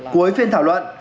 cuối phiên thảo luận